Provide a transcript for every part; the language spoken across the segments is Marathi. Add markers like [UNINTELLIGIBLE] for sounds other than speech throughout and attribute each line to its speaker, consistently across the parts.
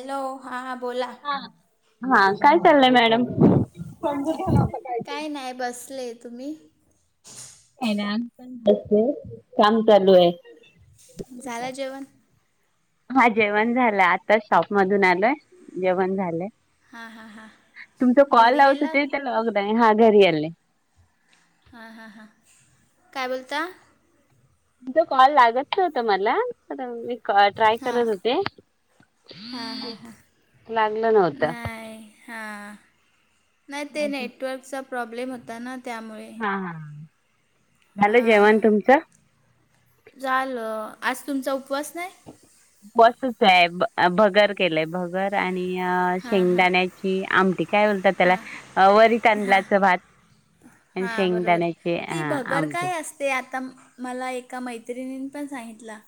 Speaker 1: हॅलो हां हां बोला.
Speaker 2: हा हा काय चाललंय मॅडम
Speaker 1: काय नाही बसलेय तुम्ही.
Speaker 2: काय ना बसलेय काम चालूये.
Speaker 1: झालं जेवण.
Speaker 2: हा जेवण झालं आताच शॉप मधून आलोय जेवण झालंय.
Speaker 1: हां हां हां
Speaker 2: तुमचा कॉल
Speaker 1: घरी गेलात
Speaker 2: लावतते त्याला लॉग दे हा घरी आले.
Speaker 1: हां हां हां काय बोलता
Speaker 2: तुमचा कॉल लागत नव्हता. मला मी ट्राय करत होते.
Speaker 1: हा हा हा
Speaker 2: लागलं नव्हतं.
Speaker 1: नाय हा नाही ते नेटवर्कचा प्रॉब्लेम होता ना त्यामुळे.
Speaker 2: हां
Speaker 1: हां झालं आज तुमचा उपवास नाही.
Speaker 2: उपवास आहे भगर केलंय भगर आणि
Speaker 1: हां हां
Speaker 2: शेंगदाण्या ची आमटी काय बोलतात
Speaker 1: हां
Speaker 2: त्याला वरी तांदळाचा भात आणि
Speaker 1: हा बरोबर
Speaker 2: शेंगदाण्याचे
Speaker 1: ती
Speaker 2: हा
Speaker 1: भगर
Speaker 2: आमटी
Speaker 1: काय अस ते आता मला एका मैत्रिणीन पण सांगितलं.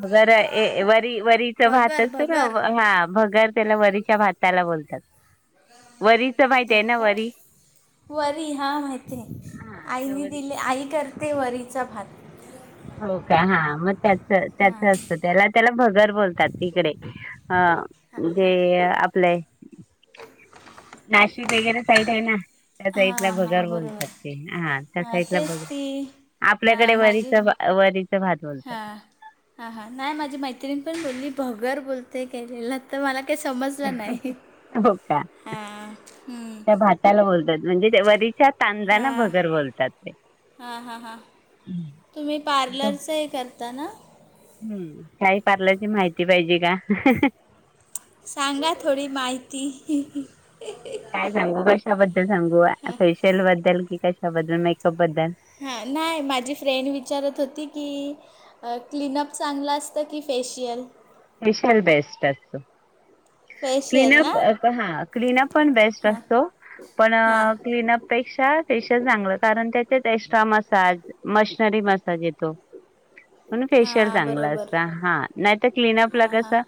Speaker 2: भगर ये वरी वरीच भात
Speaker 1: भगर
Speaker 2: असतं ना
Speaker 1: भगर
Speaker 2: हा भगर त्याला वरीच्या भात त्याला बोलतात वरीच माहीत आहे
Speaker 1: हो
Speaker 2: ना
Speaker 1: काय
Speaker 2: वरी
Speaker 1: वरी हा माहितीय
Speaker 2: हा त्या
Speaker 1: आईने
Speaker 2: वरी
Speaker 1: दिली आई करते वरीचा भात
Speaker 2: हो का हा मग त्याच त्याच
Speaker 1: हां
Speaker 2: असतं त्याला त्याला भगर बोलतात तिकडे हा
Speaker 1: हां
Speaker 2: म्हणजे
Speaker 1: हां
Speaker 2: आपले नाशिक वगैरे साईड आहे ना त्या साइडला
Speaker 1: हां
Speaker 2: भगर
Speaker 1: हां बरोबर
Speaker 2: बोलतात ते हा त्या
Speaker 1: हां
Speaker 2: साइडला
Speaker 1: तेच
Speaker 2: बग
Speaker 1: ती
Speaker 2: आपल्याकडे वरीच ब वरी
Speaker 1: हा हा हा नाही माझी मैत्रिण पण बोलली भगर बोलतेय गेलेलं तर मला काही समजलं नाही
Speaker 2: हो
Speaker 1: हां हम्म
Speaker 2: त्याला बोलतात म्हणजे तेव्हा वरईच्या तांदळाला
Speaker 1: हां
Speaker 2: भगर बोलतात ते
Speaker 1: हां हां हां, तुम्ही पार्लरचे हे करता ना.
Speaker 2: काही पार्लरची माहिती पाहिजे का.
Speaker 1: सांगा थोडी माहिती.
Speaker 2: काय सांगू कशाबद्दल सांगू
Speaker 1: हां
Speaker 2: फेशियल बद्दल कि कशाबद्दल मेकअप बद्दल.
Speaker 1: हा नाय माझी फ्रेंड विचारत होती की. अ क्लीनअप चांगलं असतं की फेशियल.
Speaker 2: फेशल बेस्ट असतं.
Speaker 1: फेशियल ना
Speaker 2: क्लीनप अ हा क्लीनअप पण बेस्ट
Speaker 1: हां
Speaker 2: असतो पण
Speaker 1: हां
Speaker 2: क्लीनअप पेक्षा फेशल चांगलं कारण त्याच्यात एक्स्ट्रा मसाज मशनरी मसाज येतो म्हण फेशियल
Speaker 1: हां
Speaker 2: चांगलं
Speaker 1: बरोबर
Speaker 2: असत हा नाही तर क्लिनअप ला
Speaker 1: हां हां
Speaker 2: कसं.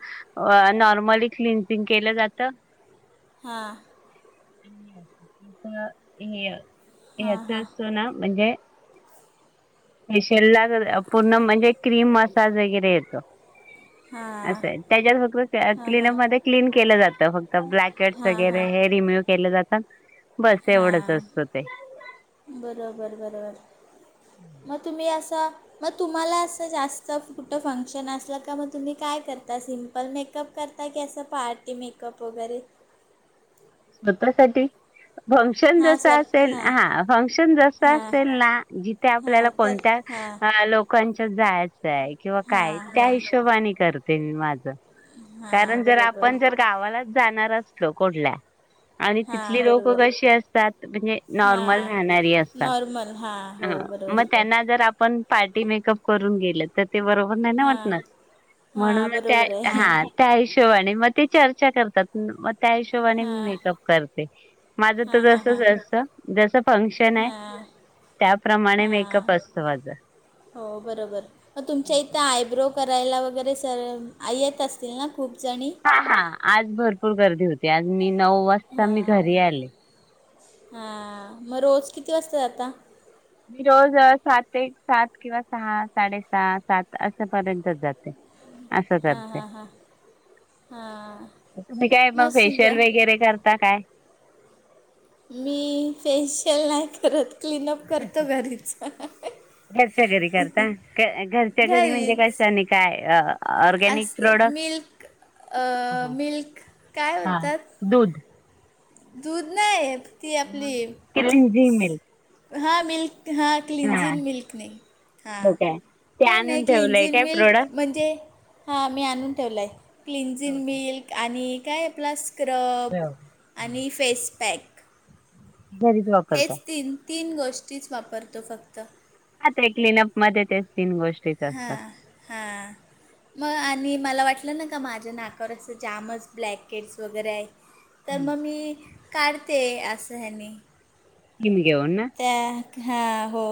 Speaker 2: अ नॉर्मली क्लिनसिंग केलं जातं.
Speaker 1: हा
Speaker 2: हे
Speaker 1: हां हां
Speaker 2: हेच
Speaker 1: हां
Speaker 2: असतो ना म्हणजे. फेशियल ला पूर्ण म्हणजे क्रीम वगैरे येतो.
Speaker 1: हां
Speaker 2: असं आहे त्याच्यात फक्त
Speaker 1: हां
Speaker 2: क्लिनअप मध्ये क्लीन केलं जातं फक्त ब्लॅकेट्स
Speaker 1: हां
Speaker 2: वगैरे
Speaker 1: हां
Speaker 2: हे ॲनि मीलस. केलं जात बस
Speaker 1: हां
Speaker 2: एवढंच असतं ते.
Speaker 1: बरोबर बरोबर मग तुम्ही असं. मग तुम्हाला असं जास्त कुठं फंक्शन असलं का मग तुम्ही काय करता सिम्पल मेक. मेकअप करता की, असं, पार्टी मेकअप वगैरे.
Speaker 2: स्वतःसाठी. फंक्शन
Speaker 1: हां
Speaker 2: जसं
Speaker 1: स्वत
Speaker 2: असेल
Speaker 1: हां
Speaker 2: हा फंक्शन जसं
Speaker 1: हां
Speaker 2: असेल ना जिथे
Speaker 1: हां
Speaker 2: आपल्याला
Speaker 1: तर
Speaker 2: कोणत्या.
Speaker 1: हां
Speaker 2: अ लोकांच्या त जायचंय किंवा काय
Speaker 1: हां
Speaker 2: त्या
Speaker 1: हां
Speaker 2: हिशोबाने करते माझं. कारण
Speaker 1: हां
Speaker 2: जर
Speaker 1: बरोबर
Speaker 2: आपण जर गावालाच जाणार असलो कुठल्या. आणि
Speaker 1: हां
Speaker 2: तिथली लोक
Speaker 1: बरोबर
Speaker 2: कशी असतात म्हणजे नॉर्मल
Speaker 1: हां
Speaker 2: राहणारी असतात
Speaker 1: नॉर्मल हां हो
Speaker 2: हं म
Speaker 1: बरोबर
Speaker 2: त्यांना जर आपण पार्टी मेकअप करून गेलं तर ते बरोबर मग, त्याना,
Speaker 1: हां
Speaker 2: वाटणार, म्हणून
Speaker 1: हां
Speaker 2: त्या
Speaker 1: बरोबर आहे
Speaker 2: हा. त्या हिशोबाने मग ते चर्चा करतात मग त्या हिशोबाने
Speaker 1: हां
Speaker 2: मेकअप करते माझं
Speaker 1: हां
Speaker 2: तर
Speaker 1: हां
Speaker 2: जस
Speaker 1: हां
Speaker 2: जस जस फंक्शन आहे.
Speaker 1: हां
Speaker 2: त्याप्रमाणे
Speaker 1: हां
Speaker 2: मेकअप असतो माझं.
Speaker 1: हो बरोबर मग तुमच्या इथं आयब्रो. करायला वगैरे सर आई, येत असतील ना खूप जणी.
Speaker 2: हा, आज भरपूर गर्दी होती आज मी नऊ वाज
Speaker 1: हा हा मग रोज किती वाजता जाता.
Speaker 2: मी रोज सात एक सात किंवा सहा साडेसहा सात असेपर्यंत जाते. असं
Speaker 1: हां
Speaker 2: करते.
Speaker 1: हां हां हां
Speaker 2: तुम्ही काय मग
Speaker 1: सु- ग
Speaker 2: फेशियल वगैरे करता काय.
Speaker 1: मी फेशियल नाही करत क्लीनअप करतो घरीच.
Speaker 2: घरच्या घरी करता घरच्या घरी म्हणजे
Speaker 1: घरीच
Speaker 2: कसं नाही काय ऑरगॅनिक.
Speaker 1: मिल्क मिल्क काय म्हणतात.
Speaker 2: दूध
Speaker 1: दूध नाही ती आपली
Speaker 2: कि
Speaker 1: हा मिल्क हा
Speaker 2: हा
Speaker 1: क्लिनजिंग मिल्क नाही हा
Speaker 2: हो काय ते
Speaker 1: का नाही
Speaker 2: आणून ठेवलंय
Speaker 1: क्लिनजिंग
Speaker 2: काय
Speaker 1: मिल्क
Speaker 2: प्रोडक्ट
Speaker 1: म्हणजे. हा मी आणून ठेवलाय क्लिनजिंग मिल्क आणि काय प्लस स्क्रब. आणि फेस पॅक
Speaker 2: घरी जाऊन.
Speaker 1: हेच तीन- तीन गोष्टीच वापरतो फक्त.
Speaker 2: हा ते क्लिनअप मध्ये तेच तीन गोष्ट
Speaker 1: हा हा. मग आणि मला वाटलं ना का, माझ्या नाकावर असं जामच ब्लॅकेट्स वगैरे आहे. तर मग
Speaker 2: स्कीम
Speaker 1: मी काढते. असं ह्यांनी.
Speaker 2: टीम घेऊन ना.
Speaker 1: त्या हां. हो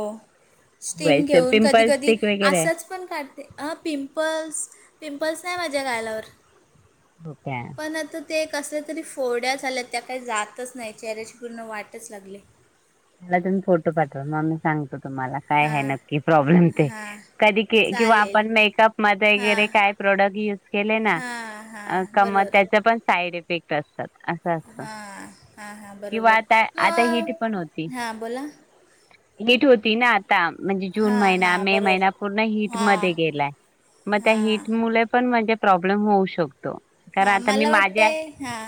Speaker 1: स्टीम
Speaker 2: वैसे
Speaker 1: घेऊन कधी
Speaker 2: पिंपल
Speaker 1: कधी
Speaker 2: स्टिक वगैरे आहे
Speaker 1: असंच पण काढते. ह पिंपल्स पिंपल्स नाही माझ्या गालावर.
Speaker 2: हो काय
Speaker 1: पण आता ते कसल्या तरी फोड्या झाल्या त्या काही जातच नाही. चेहऱ्याची पूर्ण वाटच लागली.
Speaker 2: मला तेन फोटो पाठवा. मग आम्ही सांगतो. तुम्हाला काय आहे
Speaker 1: हां
Speaker 2: नक्की प्रॉब्लेम ते.
Speaker 1: हां
Speaker 2: कधी किंवा
Speaker 1: चालेल
Speaker 2: आपण मेकअप मध्ये
Speaker 1: हां
Speaker 2: वगैरे काय प्रोडक्ट युज केले ना.
Speaker 1: हां
Speaker 2: आ
Speaker 1: हां
Speaker 2: का कम
Speaker 1: बरोबर
Speaker 2: त्याचे पण साईड इफेक्ट असतात. असं असत.
Speaker 1: हां हां हां
Speaker 2: किंवा
Speaker 1: बरोबर
Speaker 2: आता आता हिट पण हो
Speaker 1: मग हां बोला.
Speaker 2: हीट होती ना. ता. म्हणजे जून
Speaker 1: हां
Speaker 2: महिना,
Speaker 1: हां
Speaker 2: मे
Speaker 1: बरोबर
Speaker 2: महिना पूर्ण हिट
Speaker 1: हां
Speaker 2: मध्ये गेलाय. मग त्या
Speaker 1: हां
Speaker 2: हीट मुळे पण माझे प्रॉब्लेम होऊ शकतो. खरं,
Speaker 1: हां
Speaker 2: आता मी
Speaker 1: मला वाटते
Speaker 2: माझ्या
Speaker 1: हां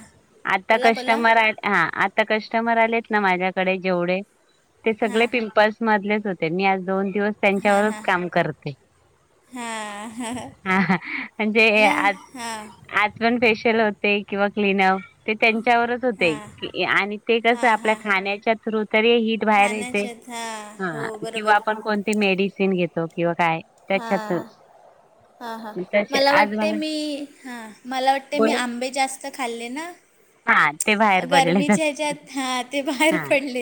Speaker 2: आता
Speaker 1: बोला बोला
Speaker 2: कस्टमर आहेत. हा आ आता कस्टमर आलेत ना. माझ्याकडे जेवढे ते सगळे
Speaker 1: हां
Speaker 2: पिंपल्स मधलेच होते. मी आज दोन दिवस त्यांच्यावरच काम करते.
Speaker 1: हां
Speaker 2: हा हा म्हणजे
Speaker 1: ना
Speaker 2: आज
Speaker 1: हां
Speaker 2: आज पण फेशियल होते. किंवा क्लीनअप ते त्यांच्यावरच होते.
Speaker 1: हां
Speaker 2: आणि ते कसं
Speaker 1: हां
Speaker 2: आपल्या
Speaker 1: हां
Speaker 2: खाण्याच्या थ्रू तरी हिट बाहेर येते.
Speaker 1: खाण्याच्यात हां हो
Speaker 2: हा.
Speaker 1: बरोबर
Speaker 2: आपण कोणती मेडिसिन घेतो किंवा काय
Speaker 1: हा.
Speaker 2: त्याच्यात
Speaker 1: हां हां
Speaker 2: तसे
Speaker 1: मला
Speaker 2: आज
Speaker 1: वाटते. मी हां. मला वाटते मी आंबे जास्त खाल्ले ना
Speaker 2: हा ते बाहेर पडले तर
Speaker 1: गरमीच्या हेच्यात हा ते बाहेर
Speaker 2: हा
Speaker 1: पडले.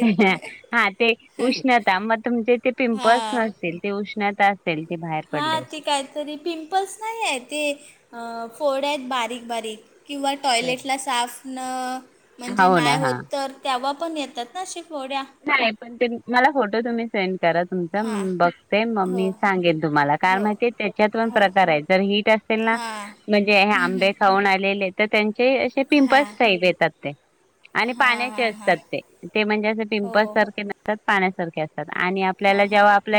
Speaker 2: हा ते उष्णता मग तुमचे ते पिंपल्स
Speaker 1: हां
Speaker 2: नसतील. ते उष्णता असेल ते बाहेर.
Speaker 1: हां
Speaker 2: पडले
Speaker 1: ते
Speaker 2: असेल
Speaker 1: काहीतरी पिंपल्स नाही आहे ते. फोड्या आहेत बारीक बारीक. किंवा टॉयलेटला साफ न म्हणजे
Speaker 2: हो ना
Speaker 1: नाही
Speaker 2: हा
Speaker 1: होत तर, तेव्हा येतात ना. अशी फोड्या.
Speaker 2: नाही. पण ते मला फोटो तुम्ही सेंड करा तुमचा मग
Speaker 1: हां
Speaker 2: मी बघते. मग
Speaker 1: हो
Speaker 2: मी सांगेन तुम्हाला,
Speaker 1: हो
Speaker 2: कारण त्याच्यात पण
Speaker 1: हो
Speaker 2: प्रकार आहेत. जर हिट अ सेल ना,
Speaker 1: हां
Speaker 2: म्हणजे हे
Speaker 1: हं, हं.
Speaker 2: आंबे खाऊन आलेले. तर त्यांचे असे पिंपल्स
Speaker 1: हां
Speaker 2: साईज येतात ते. आणि
Speaker 1: हां
Speaker 2: पाण्याचे
Speaker 1: हां हां
Speaker 2: असतात ते. ते म्हणजे अस
Speaker 1: हो
Speaker 2: उपासारखे नसतात. पाण्यासारखे असतात आणि आपल्याला
Speaker 1: हां हां
Speaker 2: जेव्हा आपले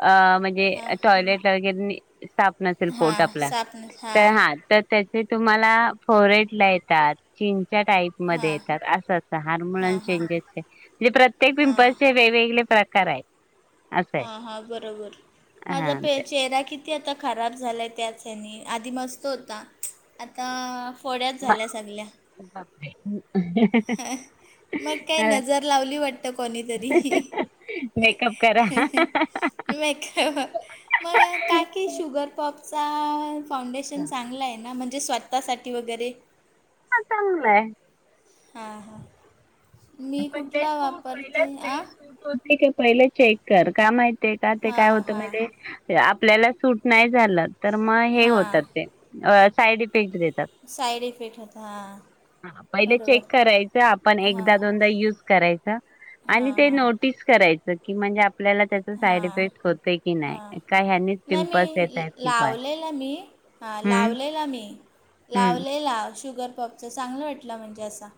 Speaker 2: अ म्ह णजे
Speaker 1: हां
Speaker 2: टॉयलेट ला वगैर, साप नसेल पोट
Speaker 1: हां
Speaker 2: आपला
Speaker 1: सापन हां
Speaker 2: तर हा तर, त्याचे तुम्हाला ला फोरहेड येतात. चींनच्या टाईट मध्ये
Speaker 1: हां
Speaker 2: येतात अस असत. हार्मोनल
Speaker 1: हां हां
Speaker 2: चेंजेसचे. मग प्रत्येक
Speaker 1: हां
Speaker 2: पिंपलच्या वेगवेगळे प्रकार आहेत. असं
Speaker 1: हा
Speaker 2: आहे
Speaker 1: हा बरोबर
Speaker 2: हा
Speaker 1: माझा पे
Speaker 2: आमच्या
Speaker 1: चेहरा किती किती आता खराब झालाय. त्याच हेनी आधी मस्त होता. आता फोड्याच झाल्या सगल्या.
Speaker 2: बापरे!
Speaker 1: मग काय नजर लावली वाटत कोणीतरी..
Speaker 2: मेकअप! करा
Speaker 1: मेकअप मग काकी शुगर पॉप्सचा फाउंडेशन चांगलं आहे ना म्हणजे स्वतःसाठी वगैरे
Speaker 2: हा चांगयच..
Speaker 1: हां हां मी कुठला वापरते आ
Speaker 2: हो पहिले चेक कर का माहितीय का ते काय
Speaker 1: हां
Speaker 2: होत
Speaker 1: हां
Speaker 2: माहितीये आपल्याला सूट नाही झालं तर मग हे होतात ते
Speaker 1: हां
Speaker 2: साईड इफेक्ट इफेक्ट देतात,
Speaker 1: साईड इफेक्ट होता हां
Speaker 2: पहिले चेक
Speaker 1: बरोबर
Speaker 2: करायाचं आपण एक
Speaker 1: हां
Speaker 2: युस करायच, आणि
Speaker 1: हां
Speaker 2: ते
Speaker 1: हां
Speaker 2: नोटीस करायच की म्हणजे आपल्याला की त्याचा साईड
Speaker 1: हां
Speaker 2: इफेक्ट होतय की
Speaker 1: हां
Speaker 2: नाही काही ह्यानी
Speaker 1: नाही
Speaker 2: पिंपल्स
Speaker 1: मी
Speaker 2: येता येत कि काय
Speaker 1: लावलेला मी हां
Speaker 2: हम्म
Speaker 1: लावलेला मी
Speaker 2: हम्म.
Speaker 1: लावलेला शुगर पप चांगलं वाटलं म्हणजे असा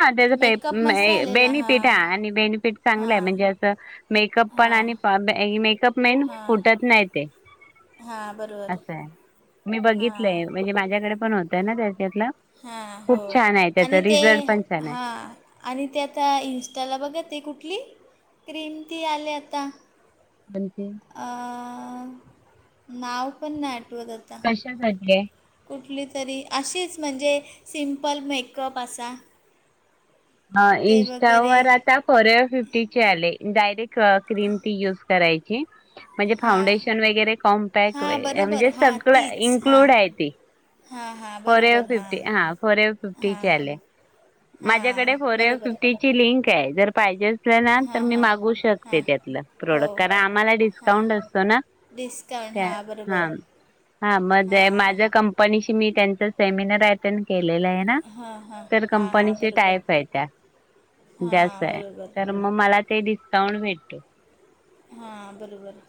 Speaker 2: हा, त्याचं पे
Speaker 1: मेकअप मस्त
Speaker 2: ए
Speaker 1: आलेला हां
Speaker 2: बेनिफिट आहे आणि बेनिफिट चांगलंय
Speaker 1: हां
Speaker 2: म्हणजे असं मेकअप पण आणि
Speaker 1: हां
Speaker 2: प बे मेकअप मेन, फुटत नाही ते.
Speaker 1: हा, बरोबर.
Speaker 2: असं आहे. मी
Speaker 1: हां
Speaker 2: बघितलंय, म्हणजे माझ्याकडे पण होतं ना त्याच्यातलं.
Speaker 1: हां
Speaker 2: खूप छान आहे, त्याचा रिझल्ट पण छान आहे.
Speaker 1: हा. आणि ते आता इंस्टाला बघा, ते कुठली? क्रीम ती आली आता
Speaker 2: म्हणजे?
Speaker 1: अं... नाव पण नाही आठवत आता.
Speaker 2: कशासाठी आहे?
Speaker 1: कुठली तरी, अशीच म्हणजे सिंपल मेकअप असा
Speaker 2: हा.
Speaker 1: ते वगैरे
Speaker 2: इंस्टावर आता फॉर युवर फिफ्टीचे आले, डायरेक् क्ट, क्रीम ती यूज करायची आहे. म्हणजे
Speaker 1: हां
Speaker 2: फाउंडेशन वगैरे कॉम्पॅक्ट
Speaker 1: हां
Speaker 2: इ
Speaker 1: बरोबर
Speaker 2: म्हणजे
Speaker 1: हां
Speaker 2: सगळंं
Speaker 1: तीच हां
Speaker 2: इन्क्लूड आहे ती.
Speaker 1: हां हां
Speaker 2: फॉरेवर
Speaker 1: बरोबर हां
Speaker 2: फिफ्टी, हा. फॉरेवर
Speaker 1: हां
Speaker 2: फिफ्टीची आलीय. माझ्या
Speaker 1: हां
Speaker 2: कडे फॉर युवर
Speaker 1: बरोबर
Speaker 2: फिफ्टी ची लिंक आहे. जर पाहिजेच असेल असलं ना? तर
Speaker 1: हां
Speaker 2: मी
Speaker 1: हां
Speaker 2: मागवू शकते
Speaker 1: हां
Speaker 2: त्यातलं,
Speaker 1: हो
Speaker 2: प्रोडक्ट. कारण आम्हाला
Speaker 1: हां
Speaker 2: डिस्काउंट असतो ना.
Speaker 1: डिस्काउंट, हा बरोबर.
Speaker 2: हा. मध्ये
Speaker 1: हां
Speaker 2: माझ्या कंपनीशी मी, त्यांचा सेमिनार अटेंड केलेला आहे ना.
Speaker 1: हां हां
Speaker 2: तर
Speaker 1: हां हां
Speaker 2: कंपनीशी,
Speaker 1: बरोबर
Speaker 2: टायप आहे अशा त्यात
Speaker 1: हां
Speaker 2: तर
Speaker 1: बरोबर
Speaker 2: तर मग मला ते डिस्काउंट भेटतोय.
Speaker 1: हा, बरोबर.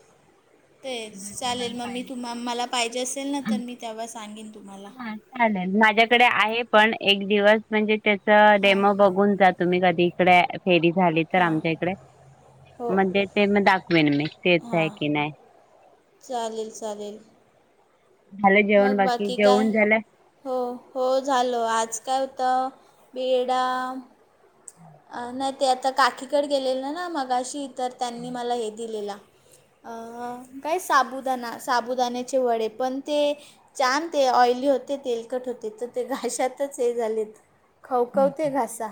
Speaker 1: तेच. चालेल, मग मी तुम्हा मला पाहिजे असेल ना, तर मी तेव्हा सांगेन तुम्हाला.
Speaker 2: चालेल. माझ्याकडे आहे पण, एक दिवस म्हणजे त्याचा
Speaker 1: हां
Speaker 2: डेमो बघून जा तुम्ही, कधी इकडे फेरी झाली तर
Speaker 1: हां
Speaker 2: आमच्या इकडे.
Speaker 1: हो
Speaker 2: मध्ये ते मग दाखवेन मी, तेच
Speaker 1: हां
Speaker 2: आहे की नाही.
Speaker 1: चालेल, चालेल.
Speaker 2: झालं जेवण
Speaker 1: मग
Speaker 2: बाकी,
Speaker 1: काय
Speaker 2: जेवण झालं?
Speaker 1: हो. हो झालं, आज काय होतं? [UNINTELLIGIBLE] अं, नाही ते आता काकीकडे गेलेले ना मघाशी तर, त्यांनी मला हे दिलेला. अअअ काय साबूदाणा, साबुदाण्याचे वडे पण ते जाम ते ऑईली होते. तेलकट होते. त ते घाशातच हे झालेत. खवखवते घसा,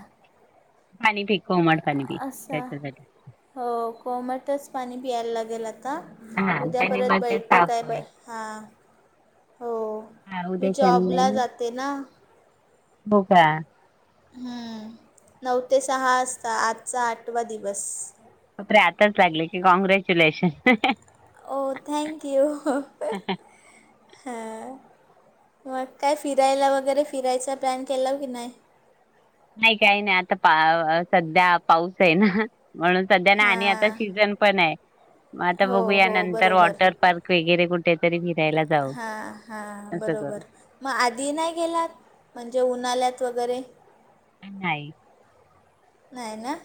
Speaker 2: पाणी पी कोमट पाणी पी
Speaker 1: असा
Speaker 2: त्याच्यासाठी
Speaker 1: हो, कोमटच पाणी पियायला लागेल आता.
Speaker 2: हा
Speaker 1: उद्या
Speaker 2: त्यानी
Speaker 1: परत
Speaker 2: मग ते
Speaker 1: बैठक
Speaker 2: साफ
Speaker 1: हाय
Speaker 2: होईल
Speaker 1: बाय. हां, हो.
Speaker 2: हा
Speaker 1: मी
Speaker 2: उद्या
Speaker 1: जॉबला जाते ना
Speaker 2: बो क्या
Speaker 1: हम्म, नऊ ते सहा असता. आजचा आठवा दिवस
Speaker 2: बापरे! आताच लागले की, कॉंग्रॅच्युलेशन
Speaker 1: ओ, थँँक यू. हा मग काय फिरायला वगैरे, फिरायचा प्लॅन केलाव की नाय?
Speaker 2: नाय काय नाय. आता पा सध्या पाऊस हाय ना, म्हणून सध्या ना, आणि आता
Speaker 1: हां
Speaker 2: सीझन पण ये. म आता
Speaker 1: हो
Speaker 2: बघू या
Speaker 1: हो
Speaker 2: नंतर
Speaker 1: बरोबर
Speaker 2: वॉटर पार्क वगैरे कुठं कुठेतरी फिरायला जाऊ, असं करू.
Speaker 1: म, आधी नाय गेलात, म्हणजे उन्हाल्यात वगैरे
Speaker 2: हं, नाही.
Speaker 1: नाय ना?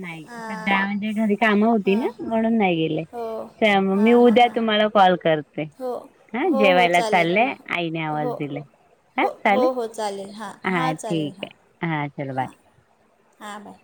Speaker 2: नाही. सध्या
Speaker 1: हां
Speaker 2: म्हणजे घरी कामं होती ना,
Speaker 1: हां
Speaker 2: म्हणून नाही गेले.
Speaker 1: हो
Speaker 2: चया म, मी
Speaker 1: हां हां
Speaker 2: उद्या
Speaker 1: हां
Speaker 2: तुम्हाला कॉल कर ते,
Speaker 1: हो
Speaker 2: हं,
Speaker 1: हो हो
Speaker 2: जेवायला
Speaker 1: चालेल
Speaker 2: चालले, आईने आवाज
Speaker 1: हो
Speaker 2: दिलाय. ह
Speaker 1: हो
Speaker 2: चालेल,
Speaker 1: हो हो चालेल हां
Speaker 2: हा
Speaker 1: हां चालेल
Speaker 2: ठीक
Speaker 1: हां
Speaker 2: हाय, हा चल
Speaker 1: हां
Speaker 2: बाय
Speaker 1: हां बाय